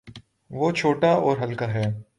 وہ چھوٹا اور ہلکا ہے۔